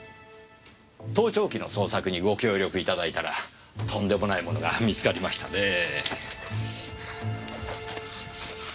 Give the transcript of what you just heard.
盗聴器の捜索にご協力頂いたらとんでもないものが見つかりましたねえ。